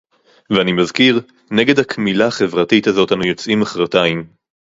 ואני מזכיר: נגד הקמילה החברתית הזאת אנו יוצאים מחרתיים